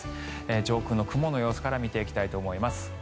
上空の雲の様子から見ていきたいと思います。